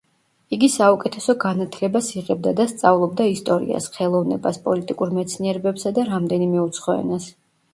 იგი საუკეთესო განათლებას იღებდა და სწავლობდა ისტორიას, ხელოვნებას, პოლიტიკურ მეცნიერებებსა და რამდენიმე უცხო ენას.